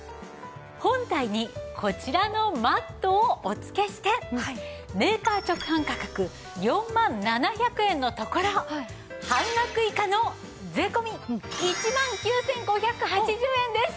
本体にこちらのマットをお付けしてメーカー直販価格４万７００円のところ半額以下の税込１万９５８０円です！